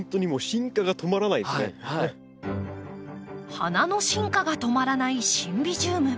花の進化が止まらないシンビジウム。